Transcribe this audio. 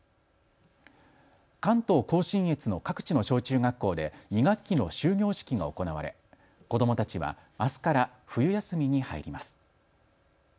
関東甲信越の各地の小中学校で２学期の終業式が行われ子どもたちはあすから冬休みに入ります。